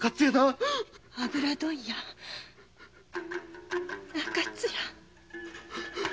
「油問屋・中津屋」？